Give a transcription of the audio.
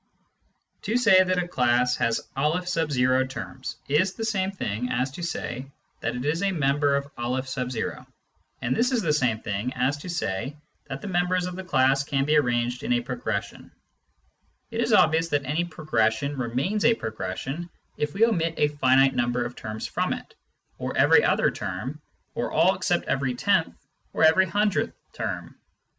To say that a class has N terms is the same thing as to say that it is a member of N , and this is the same thing as to say 84 Introduction to Mathematical Philosophy that the members of the class can be arranged in a progression. It is obvious that any progression remains a progression if we omit a finite number of terms from it, or every other term, or all except every tenth term or every hundredth term.